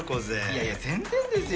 いやいや全然ですよ。